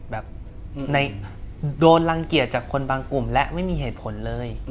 แบบโดนรังเกียจจากคนบางกลุ่มและไม่มีเหตุผลเลย